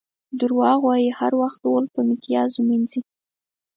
دروغ وایي؛ هر وخت غول په میتیازو مینځي.